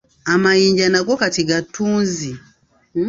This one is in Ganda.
Amayinja nago kati ga ttunzi.